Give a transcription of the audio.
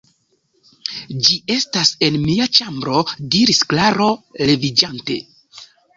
Ĝi estas en mia ĉambro diris Klaro leviĝante.